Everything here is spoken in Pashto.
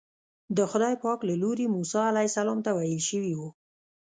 د خدای پاک له لوري موسی علیه السلام ته ویل شوي وو.